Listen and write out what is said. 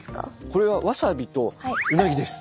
これはわさびとうなぎです。